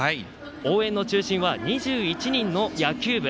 応援の中心は２１人の野球部。